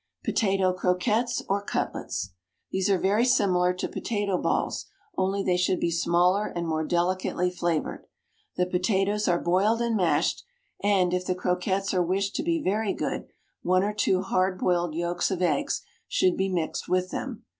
POTATO CROQUETTES OR CUTLETS. These are very similar to potato balls, only they should be smaller and more delicately flavoured. The potatoes are boiled and mashed, and, if the croquettes are wished to be very good, one or two hard boiled yolks of eggs should be mixed with them.